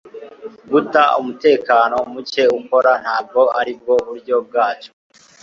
guta umutekano muke ukora ntabwo aribwo buryo bwacu